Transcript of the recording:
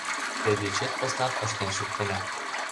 — Тый дечет поснат ыштен шуктена.